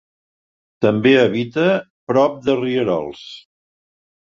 També habita prop de rierols.